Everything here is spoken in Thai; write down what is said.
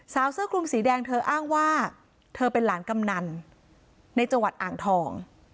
เสื้อคลุมสีแดงเธออ้างว่าเธอเป็นหลานกำนันในจังหวัดอ่างทอง